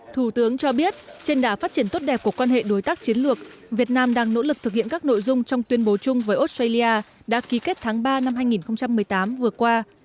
thủ tướng cho biết trên đả phát triển tốt đẹp của quan hệ đối tác chiến lược việt nam đang nỗ lực thực hiện các nội dung trong tuyên bố chung với australia đã ký kết tháng ba năm hai nghìn một mươi tám vừa qua